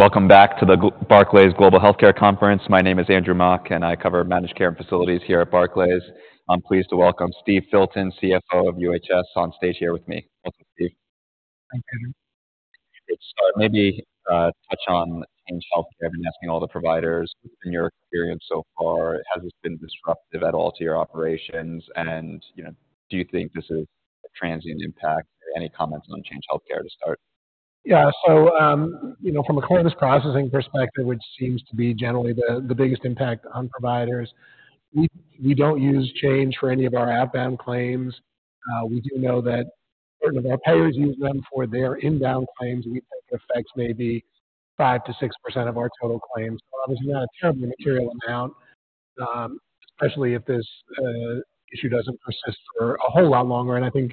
Welcome back to the G- Barclays Global Healthcare Conference. My name is Andrew Mok, and I cover managed care and facilities here at Barclays. I'm pleased to welcome Steve Filton, CFO of UHS, on stage here with me. Welcome, Steve. Thank you. So maybe, touch on Change Healthcare and asking all the providers, in your experience so far, has this been disruptive at all to your operations? And, you know, do you think this is a transient impact? Any comments on Change Healthcare to start? Yeah. So, you know, from a claims processing perspective, which seems to be generally the biggest impact on providers, we don't use Change for any of our outbound claims. We do know that certain of our payers use them for their inbound claims. We think it affects maybe 5% to 6% of our total claims. Obviously, not a terribly material amount, especially if this issue doesn't persist for a whole lot longer. And I think,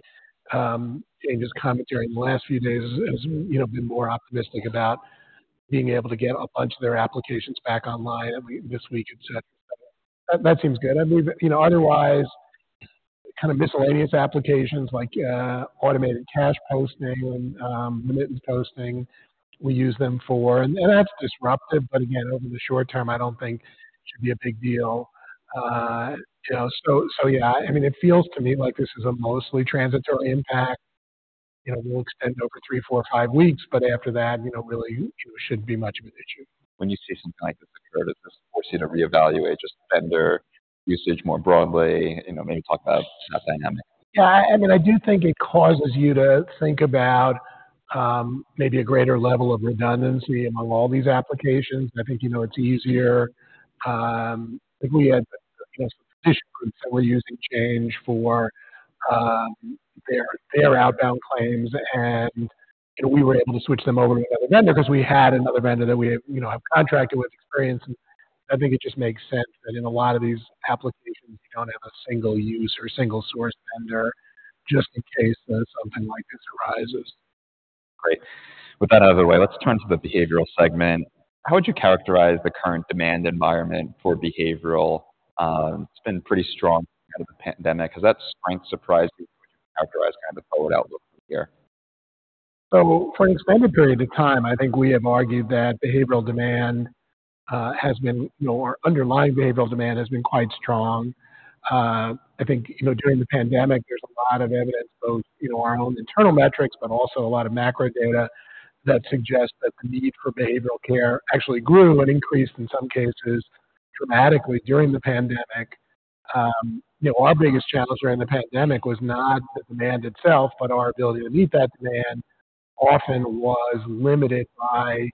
in this commentary in the last few days has, you know, been more optimistic about being able to get a bunch of their applications back online this week, et cetera. That seems good. I mean, you know, otherwise, kind of miscellaneous applications like, automated cash posting and, remittance posting, we use them for, and that's disruptive, but again, over the short term, I don't think it should be a big deal. You know, so, so yeah, I mean, it feels to me like this is a mostly transitory impact, you know, will extend over three, four, five weeks, but after that, you know, really shouldn't be much of an issue. When you see something like this occur, does this force you to reevaluate just vendor usage more broadly? You know, maybe talk about that dynamic. Yeah, I mean, I do think it causes you to think about maybe a greater level of redundancy among all these applications. I think, you know, it's easier if we had physician groups that were using Change for their, their outbound claims, and, you know, we were able to switch them over to another vendor because we had another vendor that we have, you know, have contracted with experience. I think it just makes sense that in a lot of these applications, you don't have a single user or single source vendor just in case something like this arises. Great. With that out of the way, let's turn to the behavioral segment. How would you characterize the current demand environment for behavioral? It's been pretty strong out of the pandemic. Has that strength surprised you? Characterize kind of the forward outlook from here? So for an extended period of time, I think we have argued that behavioral demand, has been, you know, underlying behavioral demand has been quite strong. I think, you know, during the pandemic, there's a lot of evidence, both, you know, our own internal metrics, but also a lot of macro data that suggests that the need for behavioral care actually grew and increased, in some cases dramatically during the pandemic. You know, our biggest challenge during the pandemic was not the demand itself, but our ability to meet that demand often was limited by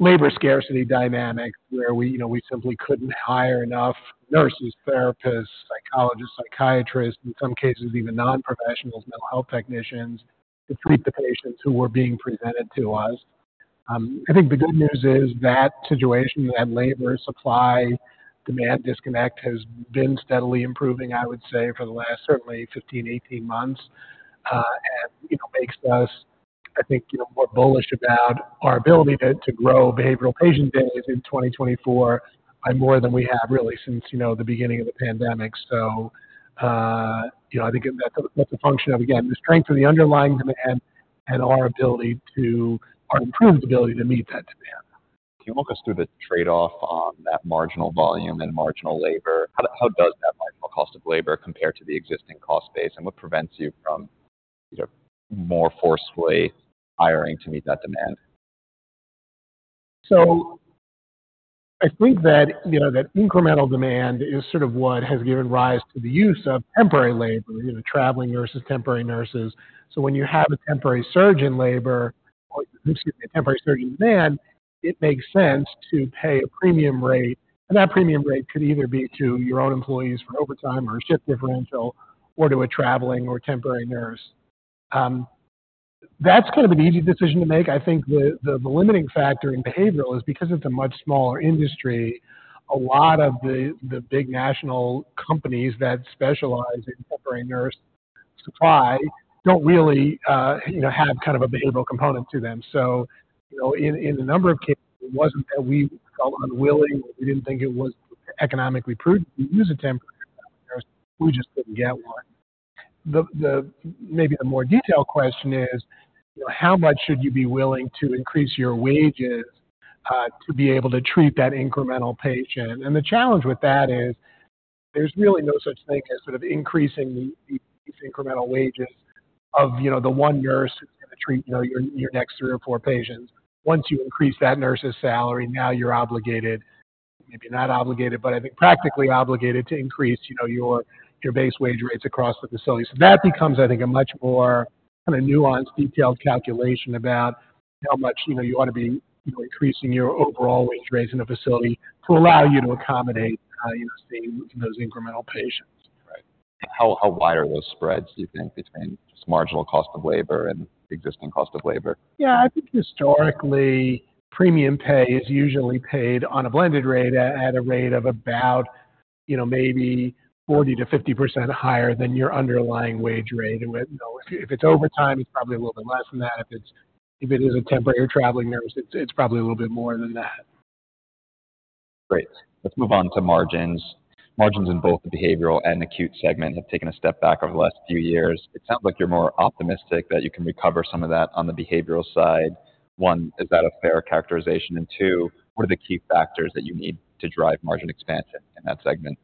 labor scarcity dynamics, where we, you know, we simply couldn't hire enough nurses, therapists, psychologists, psychiatrists, in some cases, even non-professionals, mental health technicians, to treat the patients who were being presented to us. I think the good news is that situation, that labor supply-demand disconnect, has been steadily improving, I would say, for the last certainly 15, 18 months. And, you know, makes us, I think, you know, more bullish about our ability to, to grow behavioral patient days in 2024 by more than we have really since, you know, the beginning of the pandemic. So, you know, I think that's a function of, again, the strength of the underlying demand and our ability to, our improved ability to meet that demand. Can you walk us through the trade-off on that marginal volume and marginal labor? How does that marginal cost of labor compare to the existing cost base, and what prevents you from more forcefully hiring to meet that demand? So I think that, you know, that incremental demand is sort of what has given rise to the use of temporary labor, you know, traveling nurses, temporary nurses. So when you have a temporary surge in labor, or excuse me, a temporary surge in demand, it makes sense to pay a premium rate. And that premium rate could either be to your own employees for overtime or a shift differential or to a traveling or temporary nurse. That's kind of an easy decision to make. I think the limiting factor in behavioral is because it's a much smaller industry, a lot of the big national companies that specialize in temporary nurse supply don't really, you know, have kind of a behavioral component to them. So, you know, in a number of cases, it wasn't that we were unwilling or we didn't think it was economically prudent to use a temporary nurse, we just didn't get one. The maybe the more detailed question is, you know, how much should you be willing to increase your wages to be able to treat that incremental patient? And the challenge with that is there's really no such thing as sort of increasing the these incremental wages of, you know, the one nurse who's gonna treat, you know, your next three or four patients. Once you increase that nurse's salary, now you're obligated, maybe not obligated, but I think practically obligated to increase, you know, your base wage rates across the facility. So that becomes, I think, a much more kind of nuanced, detailed calculation about how much, you know, you ought to be increasing your overall wage rates in a facility to allow you to accommodate, you know, seeing those incremental patients. Right. How, how wide are those spreads, do you think, between just marginal cost of labor and existing cost of labor? Yeah, I think historically, premium pay is usually paid on a blended rate at a rate of about, you know, maybe 40% to 50% higher than your underlying wage rate. You know, if it's overtime, it's probably a little bit less than that. If it's a temporary or traveling nurse, it's probably a little bit more than that.... Great. Let's move on to margins. Margins in both the behavioral and acute segment have taken a step back over the last few years. It sounds like you're more optimistic that you can recover some of that on the behavioral side. One, is that a fair characterization? And two, what are the key factors that you need to drive margin expansion in that segment?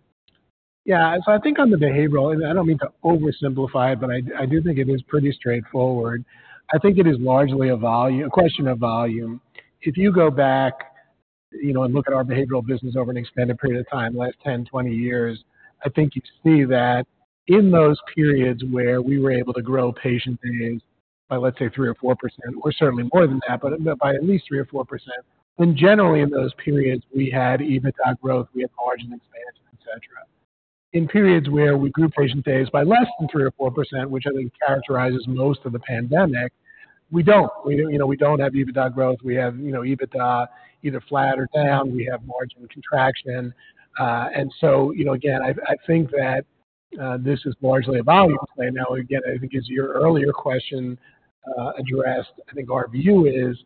Yeah, so I think on the behavioral, and I don't mean to oversimplify it, but I, I do think it is pretty straightforward. I think it is largely a volume, a question of volume. If you go back, you know, and look at our behavioral business over an extended period of time, the last 10, 20 years, I think you'd see that in those periods where we were able to grow patient days by, let's say, 3% or 4%, or certainly more than that, but by at least 3% or 4%, then generally in those periods, we had EBITDA growth, we had margin expansion, et cetera. In periods where we grew patient days by less than 3% or 4%, which I think characterizes most of the pandemic, we don't. We, you know, we don't have EBITDA growth. We have, you know, EBITDA either flat or down. We have margin contraction. And so, you know, again, I think that this is largely a volume play. Now, again, I think as your earlier question addressed, I think our view is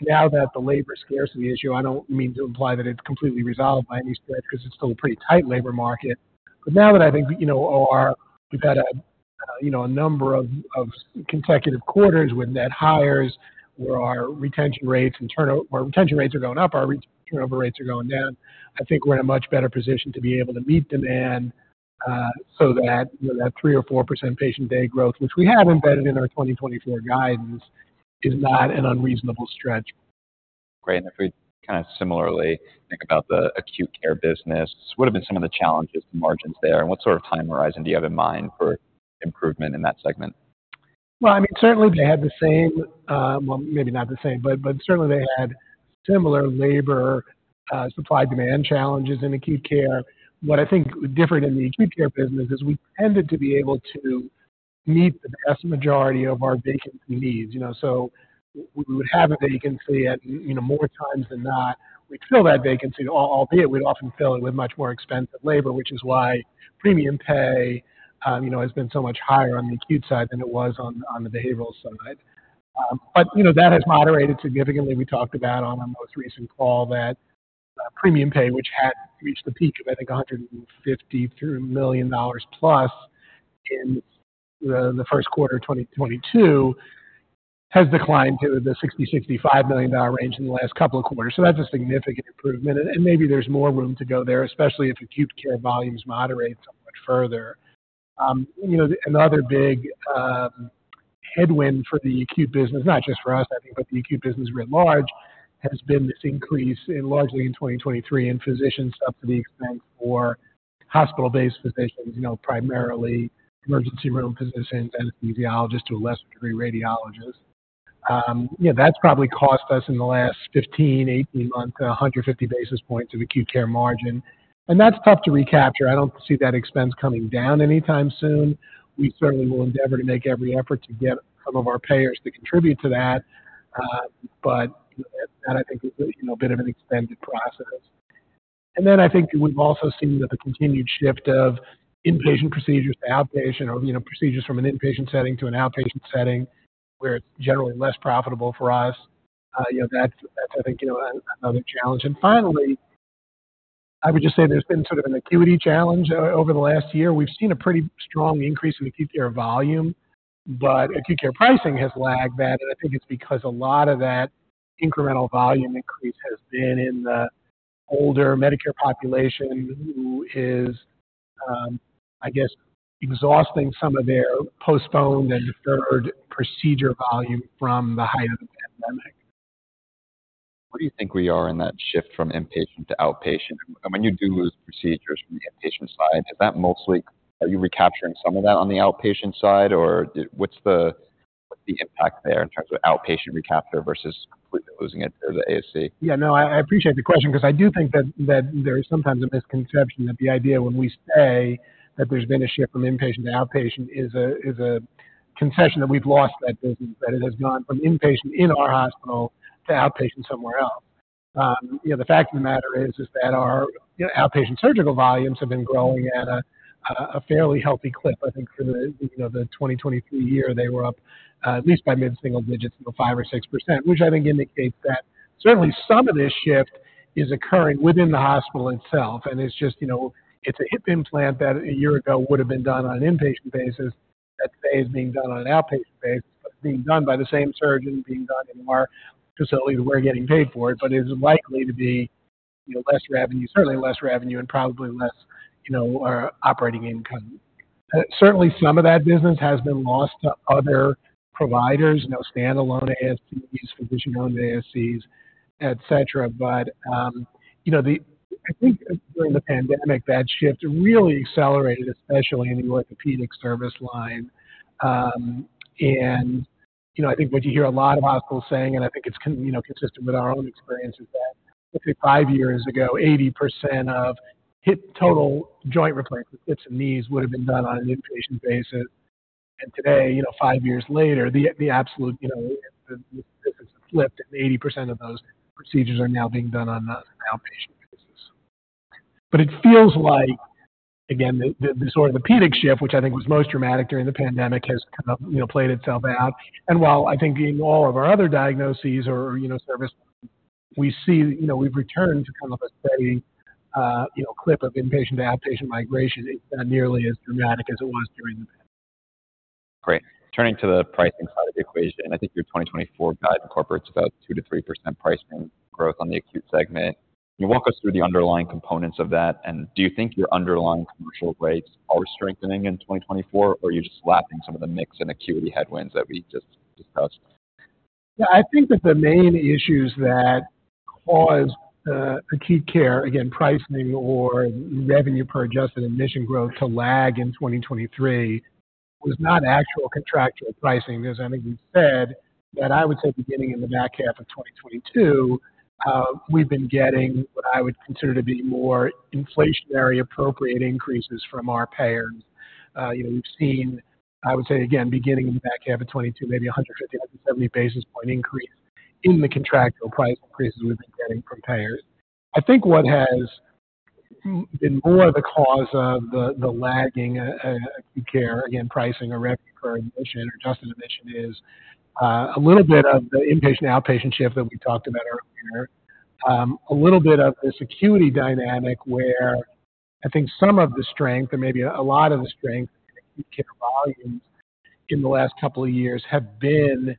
now that the labor scarcity issue, I don't mean to imply that it's completely resolved by any stretch because it's still a pretty tight labor market. But now that I think, you know, or we've had a, you know, a number of consecutive quarters with net hires, where our retention rates and turnover - our retention rates are going up, our turnover rates are going down. I think we're in a much better position to be able to meet demand, so that, you know, that 3% to 4% patient day growth, which we have embedded in our 2024 guidance, is not an unreasonable stretch. Great. And if we kind of similarly think about the acute care business, what have been some of the challenges to margins there, and what sort of time horizon do you have in mind for improvement in that segment? Well, I mean, certainly they had the same, well, maybe not the same, but, but certainly they had similar labor supply-demand challenges in acute care. What I think different in the acute care business is we tended to be able to meet the vast majority of our vacancy needs, you know, so we would have a vacancy at, you know, more times than not, we'd fill that vacancy, albeit we'd often fill it with much more expensive labor, which is why premium pay, you know, has been so much higher on the acute side than it was on the behavioral side. But, you know, that has moderated significantly. We talked about on our most recent call that, premium pay, which had reached a peak of, I think, $153 million plus in the first quarter of 2022, has declined to the $60 million to $65 million range in the last couple of quarters. So that's a significant improvement, and maybe there's more room to go there, especially if acute care volumes moderate so much further. You know, another big headwind for the acute business, not just for us, I think, but the acute business writ large, has been this increase in largely in 2023, in physician subsidy expense for hospital-based physicians, you know, primarily emergency room physicians, anesthesiologists, to a lesser degree, radiologists. Yeah, that's probably cost us in the last 15 to 18 months, 150 basis points of acute care margin, and that's tough to recapture. I don't see that expense coming down anytime soon. We certainly will endeavor to make every effort to get some of our payers to contribute to that, but that I think is, you know, a bit of an extended process. And then I think we've also seen that the continued shift of inpatient procedures to outpatient or, you know, procedures from an inpatient setting to an outpatient setting, where it's generally less profitable for us, you know, that's, that's, I think, you know, another challenge. And finally, I would just say there's been sort of an acuity challenge over the last year. We've seen a pretty strong increase in acute care volume, but acute care pricing has lagged that, and I think it's because a lot of that incremental volume increase has been in the older Medicare population, who is, I guess, exhausting some of their postponed and deferred procedure volume from the height of the pandemic. Where do you think we are in that shift from inpatient to outpatient? And when you do lose procedures from the inpatient side, is that mostly... Are you recapturing some of that on the outpatient side, or did—what's the impact there in terms of outpatient recapture versus completely losing it to the ASC? Yeah, no, I appreciate the question because I do think that there is sometimes a misconception that the idea when we say that there's been a shift from inpatient to outpatient is a confession that we've lost that business, that it has gone from inpatient in our hospital to outpatient somewhere else. You know, the fact of the matter is that our outpatient surgical volumes have been growing at a fairly healthy clip. I think for the, you know, the 2023 year, they were up at least by mid-single digits, about 5% or 6%, which I think indicates that certainly some of this shift is occurring within the hospital itself, and it's just, you know, it's a hip implant that a year ago would have been done on an inpatient basis that today is being done on an outpatient basis, but being done by the same surgeon, being done in our facility, we're getting paid for it, but is likely to be, you know, less revenue, certainly less revenue and probably less, you know, operating income. Certainly, some of that business has been lost to other providers, you know, standalone ASCs, physician-owned ASCs, et cetera. But, you know, I think during the pandemic, that shift really accelerated, especially in the orthopedic service line. You know, I think what you hear a lot of hospitals saying, and I think it's consistent with our own experience, is that five years ago, 80% of hip total joint replacements, hips and knees, would have been done on an inpatient basis. And today, you know, five years later, the absolute, you know, the difference has flipped. 80% of those procedures are now being done on an outpatient basis. But it feels like, again, the sort of the paradigm shift, which I think was most dramatic during the pandemic, has kind of, you know, played itself out. And while I think in all of our other diagnoses or, you know, services, we see, you know, we've returned to kind of a steady, you know, clip of inpatient to outpatient migration. It's not nearly as dramatic as it was during the pandemic. Great. Turning to the pricing side of the equation, I think your 2024 guide incorporates about 2% to 3% price range growth on the acute segment. Can you walk us through the underlying components of that? And do you think your underlying commercial rates are strengthening in 2024, or are you just slapping some of the mix and acuity headwinds that we just discussed? Yeah, I think that the main issues that caused acute care, again, pricing or revenue per adjusted admission growth to lag in 2023, was not actual contractual pricing. As I think we've said, that I would say beginning in the back half of 2022, we've been getting what I would consider to be more inflationary, appropriate increases from our payers. You know, we've seen, I would say again, beginning in the back half of 2022, maybe 150-170 basis point increase in the contractual price increases we've been getting from payers. I think what has been more the cause of the lagging acute care, again, pricing or revenue per admission or adjusted admission is a little bit of the inpatient, outpatient shift that we talked about earlier. A little bit of this acuity dynamic, where I think some of the strength, or maybe a lot of the strength in acute care volumes in the last couple of years have been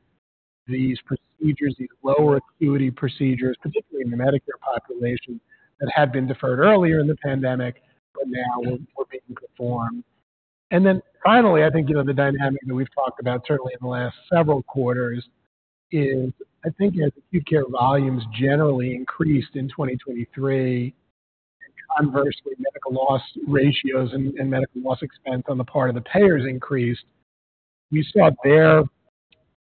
these procedures, these lower acuity procedures, particularly in the Medicare population, that had been deferred earlier in the pandemic, but now were being performed. And then finally, I think, you know, the dynamic that we've talked about certainly in the last several quarters is, I think as acute care volumes generally increased in 2023, conversely, medical loss ratios and medical loss expense on the part of the payers increased. We saw their,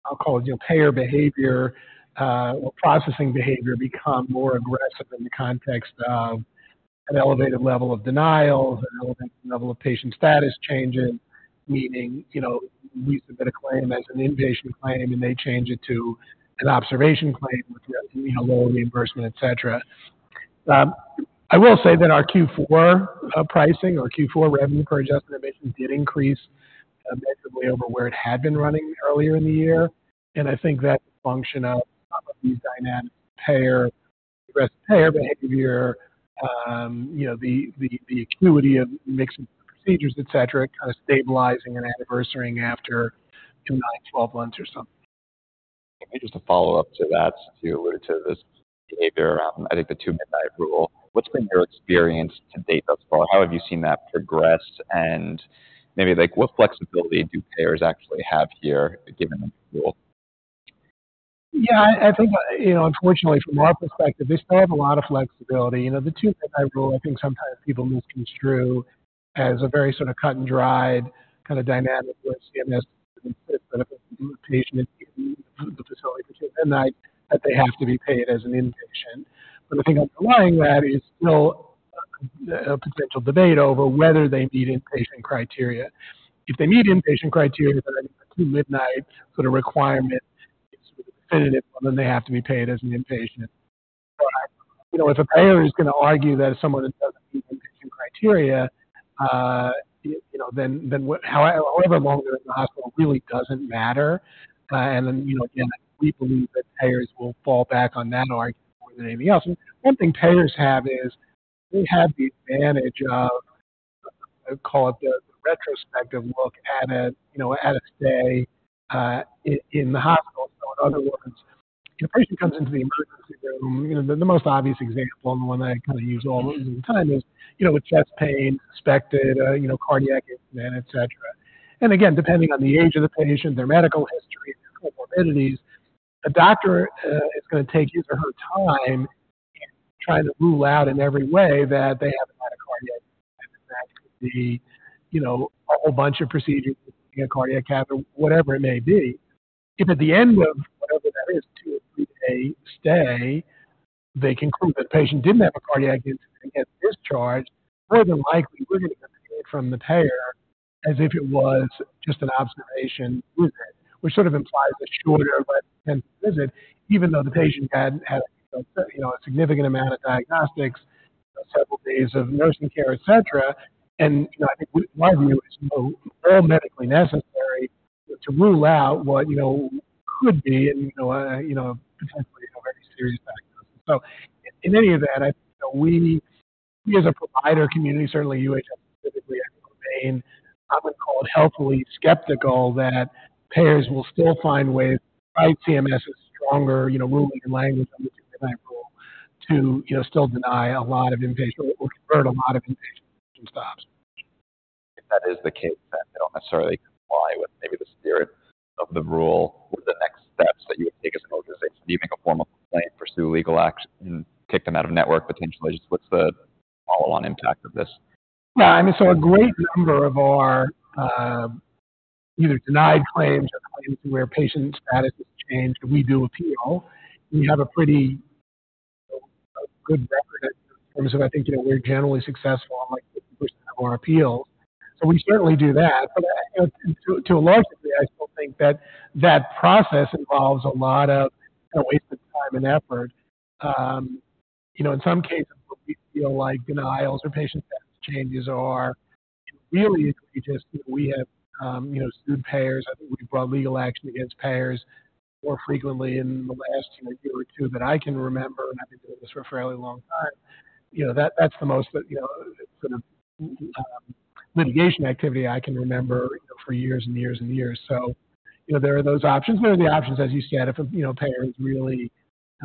I'll call it, you know, payer behavior, or processing behavior, become more aggressive in the context of an elevated level of denials, an elevated level of patient status changes. Meaning, you know, we submit a claim as an inpatient claim, and they change it to an observation claim with, you know, lower reimbursement, et cetera. I will say that our Q4 pricing or Q4 revenue per adjusted admissions did increase significantly over where it had been running earlier in the year, and I think that function of these dynamic payer, aggressive payer behavior, you know, the acuity of mix of procedures, et cetera, kind of stabilizing and reversing after 29 to 12 months or so. Maybe just a follow-up to that, too, to this behavior. I think the Two Midnight Rule. What's been your experience to date thus far? How have you seen that progress? And maybe, like, what flexibility do payers actually have here, given the rule? Yeah, I think, you know, unfortunately, from our perspective, they still have a lot of flexibility. You know, the Two Midnight Rule, I think sometimes people misconstrue as a very sort of cut and dried kind of dynamic, where CMS benefits the patient, and the facility between midnight, that they have to be paid as an inpatient. But the thing underlying that is still a potential debate over whether they meet inpatient criteria. If they meet inpatient criteria, then Two Midnight sort of requirement is definitive, then they have to be paid as an inpatient. You know, if a payer is going to argue that someone doesn't meet the inpatient criteria, you know, then however long they're in the hospital really doesn't matter. And then, you know, again, we believe that payers will fall back on that argument more than anything else. One thing payers have is, they have the advantage of, call it the retrospective look at a, you know, at a stay in the hospital. So in other words, if a patient comes into the emergency room, you know, the most obvious example, and the one I kind of use all the time, is, you know, with chest pain, suspected, you know, cardiac incident, et cetera. And again, depending on the age of the patient, their medical history, their comorbidities, a doctor is going to take his or her time trying to rule out in every way that they have had a cardiac. That could be, you know, a whole bunch of procedures, a cardiac cath, or whatever it may be. If at the end of whatever that is, two or three day stay, they conclude that the patient didn't have a cardiac incident and get discharged, more than likely, we're going to get paid from the payer as if it was just an observation visit. Which sort of implies a shorter but intense visit, even though the patient had, you know, a significant amount of diagnostics, several days of nursing care, et cetera. And, you know, I think my view is so medically necessary to rule out what, you know, could be and, you know, potentially a very serious diagnosis. So, in any of that, I think, you know, we as a provider community, certainly UHS specifically, I remain, I would call it healthily skeptical that payers will still find ways, despite CMS's stronger, you know, ruling and language on the Two Midnight Rule, to, you know, still deny a lot of inpatient or convert a lot of inpatient stays. If that is the case, then they don't necessarily comply with maybe the spirit of the rule. What are the next steps that you would take as an organization? Leaving a formal complaint, pursue legal action, and kick them out of network, potentially? What's the follow-on impact of this? Yeah, I mean, so a great number of our either denied claims or claims where patient status has changed, we do appeal. We have a pretty good record in terms of, I think, you know, we're generally successful or appeals. So we certainly do that. But, to a large degree, I still think that that process involves a lot of wasted time and effort. You know, in some cases, we feel like denials or patient status changes are really just, we have sued payers. I think we've brought legal action against payers more frequently in the last year or two than I can remember, and I've been doing this for a fairly long time. You know, that-that's the most, you know, sort of, litigation activity I can remember, you know, for years and years and years. So, you know, there are those options. There are the options, as you said, if, you know, payer is really,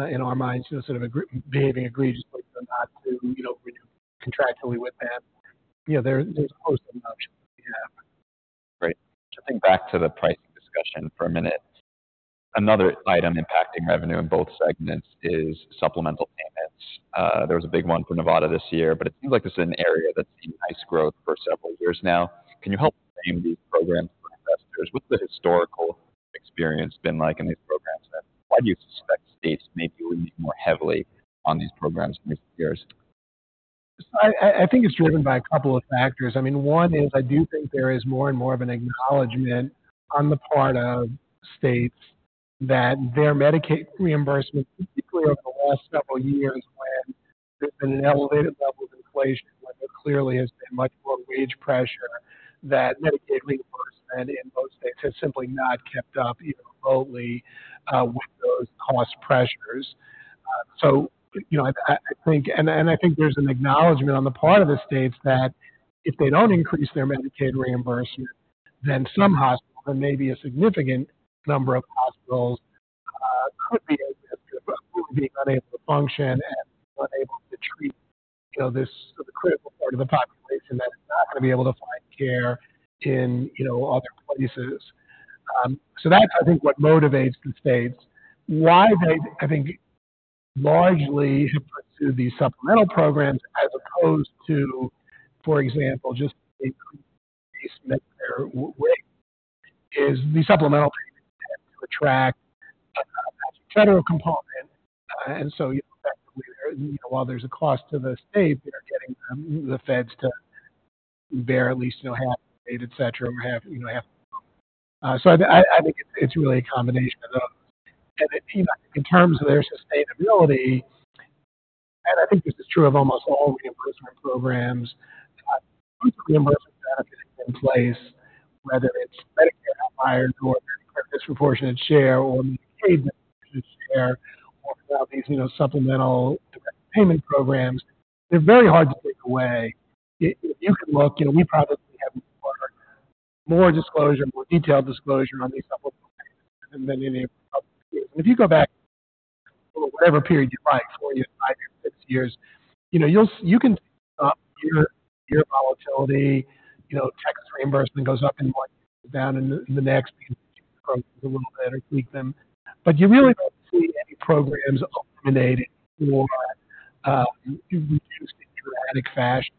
in our minds, sort of, behaving egregiously, but not to, you know, renew contractually with them, you know, there, there's a host of options we have. Great. Jumping back to the pricing discussion for a minute. Another item impacting revenue in both segments is supplemental payments. There was a big one for Nevada this year, but it seems like this is an area that's seen nice growth for several years now. Can you help frame these programs for investors? What's the historical experience been like in these programs, and why do you suspect states may be leaning more heavily on these programs in recent years? I think it's driven by a couple of factors. I mean, one is I do think there is more and more of an acknowledgment on the part of states that their Medicaid reimbursement, particularly over the last several years, when there's been an elevated level of inflation, when there clearly has been much more wage pressure, that Medicaid reimbursement in most states has simply not kept up, even remotely, with those cost pressures. So, you know, I think there's an acknowledgment on the part of the states that if they don't increase their Medicaid reimbursement, then some hospitals, or maybe a significant number of hospitals, could be at risk of being unable to function and unable to treat, you know, this critical part of the population that is not going to be able to find care in, you know, other places. So that's, I think, what motivates the states. Why they, I think, largely have put to these supplemental programs as opposed to, for example, just increase their rate, is the supplemental track, federal component. And so, you know, while there's a cost to the state, they're getting, the feds to bear at least half, state et cetera, or half, you know, half. So I, I think it's really a combination of those. And, you know, in terms of their sustainability, and I think this is true of almost all reimbursement programs, reimbursement benefit in place, whether it's Medicare outliers or disproportionate share, or paid share, or these, you know, supplemental payment programs, they're very hard to take away. You can look, you know, we probably have more, more disclosure, more detailed disclosure on these supplements than many public. If you go back, whatever period you like, four years, five years, six years, you know, you'll see year-over-year volatility, you know, net reimbursement goes up and down in the net a little better, tweak them. But you really don't see any programs eliminated or reduced in dramatic fashion.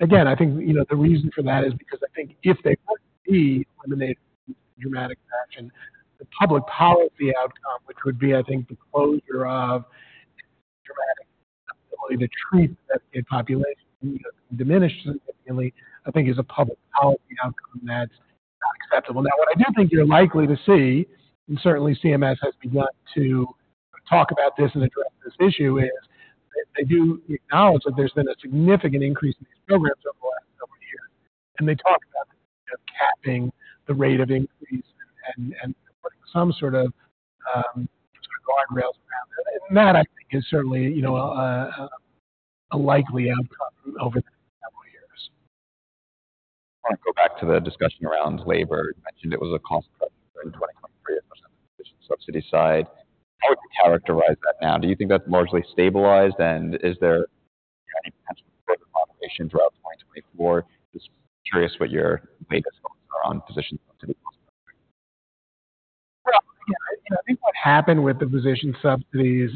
Again, I think, you know, the reason for that is because I think if they were to be eliminated in dramatic fashion, the public policy outcome, which would be, I think, the closure or dramatic diminishment of the ability to treat that population, I think is a public policy outcome that's not acceptable. Now, what I do think you're likely to see, and certainly CMS has begun to talk about this and address this issue, is they do acknowledge that there's been a significant increase in these programs over the last couple of years. They talk about capping the rate of increase and putting some sort of guardrails around it. That, I think, is certainly, you know, a likely outcome over the next couple of years. I want to go back to the discussion around labor. Mentioned it was a constant in 2023 subside. How would you characterize that now? Do you think that's largely stabilized, and is there any potential moderation throughout 2024? Just curious what your biggest thoughts are on position. Yeah, I think what happened with the physician subsidies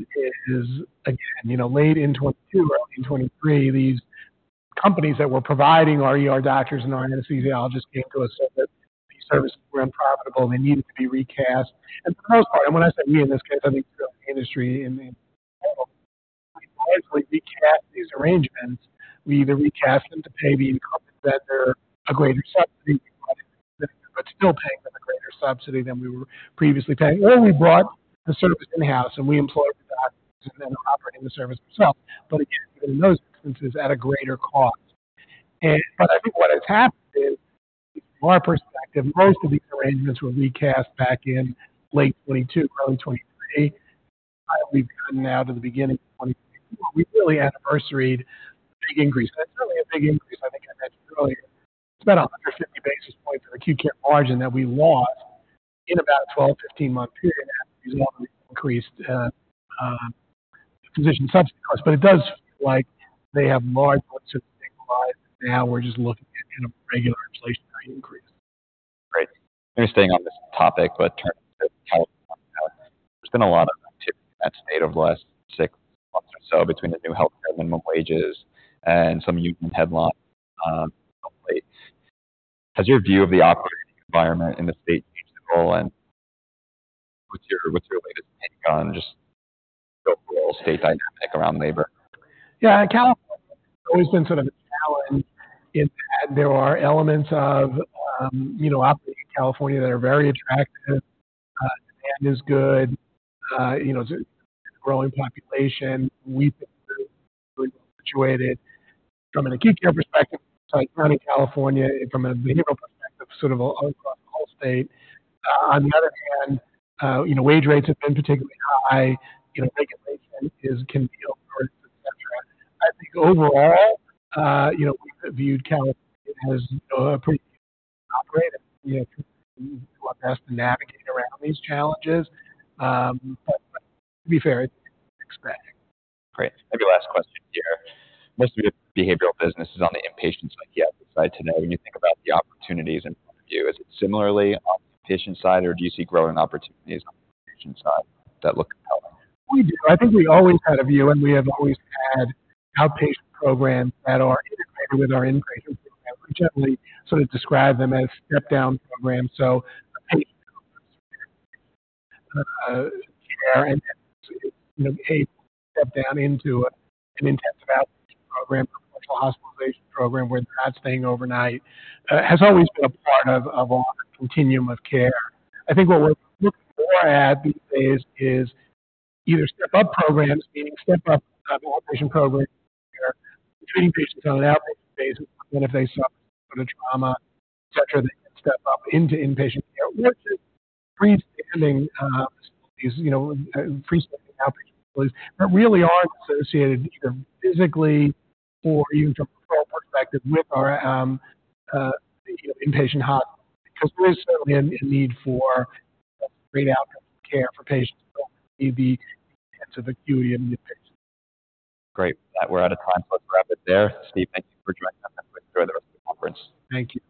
is, again, you know, late in 2022, early in 2023, these companies that were providing our ER doctors and our anesthesiologists came to us, said that these services were unprofitable and they needed to be recast. And for the most part, and when I say we, in this case, I mean the industry, and we basically recast these arrangements. We either recast them to pay the incumbent vendor a greater subsidy, but still paying them a greater subsidy than we were previously paying. Or we brought the service in-house and we employed the doctors and then operating the service itself. But again, in those instances, at a greater cost. But I think what has happened is, from our perspective, most of these arrangements were recast back in late 2022, early 2023. We've gotten now to the beginning of 2024. We really anniversaried big increase, and it's really a big increase. I think I mentioned earlier, it's about 150 basis points of acute care margin that we lost in about a 12-15-month period after these increased physician subsidies. But it does feel like they have largely stabilized. Now we're just looking at in a regular inflation increase. Great. Staying on this topic, but there's been a lot of activity in that state over the last six months or so between the new healthcare minimum wages and some union headlines. Has your view of the operating environment in the state changed at all, and what's your latest take on just the overall state dynamic around labor? Yeah, California has always been sort of a challenge in that there are elements of, you know, operating in California that are very attractive. Demand is good, you know, it's a growing population. We've been really situated from an acute care perspective, Southern California, and from a behavioral perspective, sort of across the whole state. On the other hand, you know, wage rates have been particularly high. You know, regulation is, can be oppressive, et cetera. I think overall, you know, we've viewed California as a pretty operable way to best navigate around these challenges. But to be fair, it's expanding. Great. Maybe last question here. Most of your behavioral business is on the inpatient side. Yet, I'd like to know, when you think about the opportunities and view, is it similarly on the inpatient side, or do you see growing opportunities on the inpatient side that look compelling? We do. I think we always had a view, and we have always had outpatient programs that are integrated with our inpatient programs. We generally sort of describe them as step-down programs. So, care and, you know, a step down into an intensive outpatient program, virtual hospitalization program, where they're not staying overnight, has always been a part of our continuum of care. I think what we're looking more at these days is either step-up programs, meaning step-up outpatient programs where treating patients on an outpatient basis, and if they suffer from a trauma, et cetera, they can step up into inpatient care, which is freestanding facilities, you know, freestanding outpatient facilities that really are associated, either physically or even from a control perspective, with our, you know, inpatient hospital. Because there is certainly a need for great outcome care for patients who may be intensive acuity and inpatient. Great. We're out of time, so let's wrap it there. Steve, thank you for joining us. Enjoy the rest of the conference. Thank you.